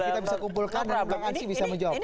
kita bisa kumpulkan bang ansy bisa menjawab